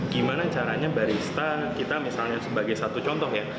gimana caranya barista kita misalnya sebagai satu contoh ya